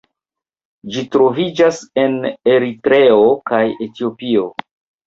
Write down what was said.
Ĝi troviĝas en Eritreo kaj Etiopio.